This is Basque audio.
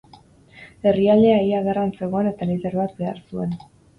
Herrialdea ia gerran zegoen eta lider bat behar zuen.